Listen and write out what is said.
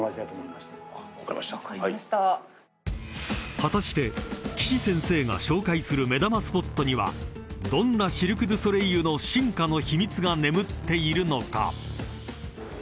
［果たして岸先生が紹介する目玉スポットにはどんなシルク・ドゥ・ソレイユの進化の秘密が眠っているのか？］